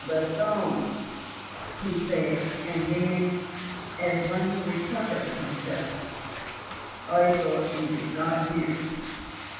"The cone," he said, and then, as one who recovers himself, "I thought you did not hear."